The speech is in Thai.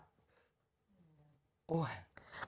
แบบนั้นนะ